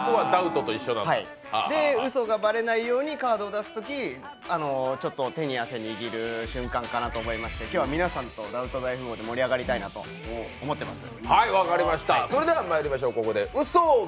うそがばれないようにカードを出すとき、ちょっと手に汗握る瞬間かなと思いまして、今日は皆さんと「ダウト大富豪」で盛り上がりたいなと思っています。